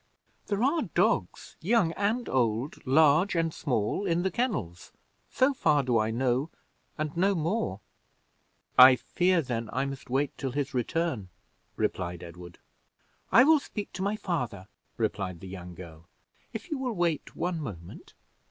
"There are dogs, young and old, large and small, in the kennels; so far do I know, and no more." "I fear, then, I must wait till his return," replied Edward. "I will speak to my father," replied the young girl, "if you will wait one moment."